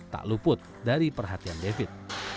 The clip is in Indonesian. tak luput dari perhatian david